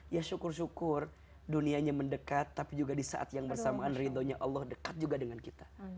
ya syukur syukur dunianya mendekat tapi juga di saat yang bersamaan ridhonya allah dekat juga dengan kita